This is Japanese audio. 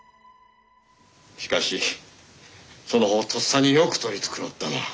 しかしそのほうとっさによく取り繕ったな。